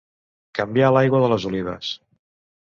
Canviar l'aigua de les olives.